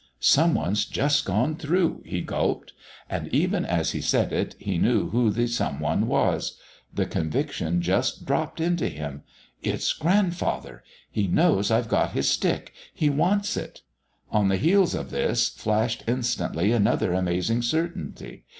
"Some one's just gone through," he gulped. And even as he said it he knew who the some one was. The conviction just dropped into him. "It's Grandfather; he knows I've got his stick. He wants it!" On the heels of this flashed instantly another amazing certainty.